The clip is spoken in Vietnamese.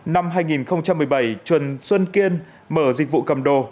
năm hai nghìn một mươi bảy trần xuân kiên mở dịch vụ cầm đồ